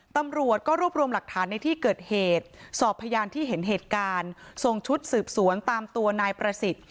ตำรวจก็รวบรวมหลักฐานในที่เกิดเหตุสอบพยานที่เห็นเหตุการณ์ส่งชุดสืบสวนตามตัวนายประสิทธิ์